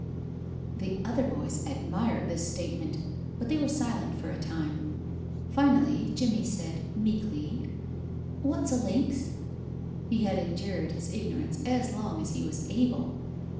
The other boys admired this statement, but they were silent for a time. Finally Jimmie said, meekly, "What's a lynx?" He had endured his ignorance as long as he was able.